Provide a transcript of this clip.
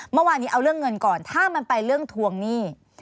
เมื่อวานนี้เอาเรื่องเงินก่อนถ้ามันไปเรื่องทวงหนี้